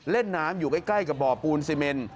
เล่นน้ำอยู่ใกล้กับบ่อปูนซีเมน